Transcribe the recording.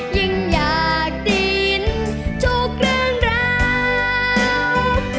ยิ่งอยากได้ยินทุกเรื่องราว